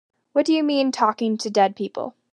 What do you mean talking to dead people?